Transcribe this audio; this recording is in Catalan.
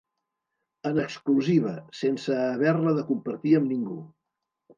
En exclusiva, sense haver-la de compartir amb ningú.